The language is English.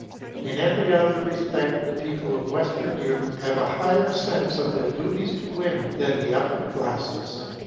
In every other respect the people of Western Europe have a higher sense of their duties to women than the upper classes.